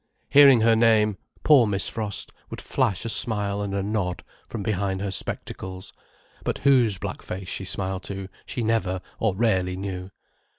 Hearing her name, poor Miss Frost would flash a smile and a nod from behind her spectacles, but whose black face she smiled to she never, or rarely knew.